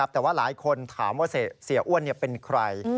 แต่ว่าหลายคนถามว่าเสียอ้วนเป็นใคร